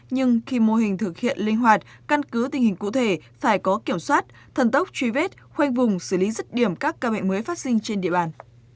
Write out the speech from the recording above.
nhưng khi mô hình thực hiện linh hoạt căn cứ tình hình cụ thể phải có kiểm soát thần tốc truy vết khoanh vùng xử lý rứt điểm các ca bệnh mới phát sinh trên địa bàn